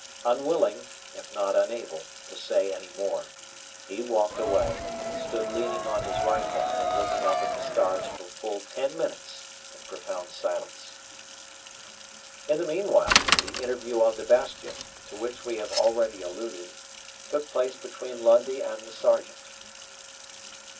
Unwilling, if not unable, to say any more, he walked away, and stood leaning on his rifle and looking up at the stars for full ten minutes in profound silence. In the meanwhile the interview on the bastion, to which we have already alluded, took place between Lundie and the Sergeant.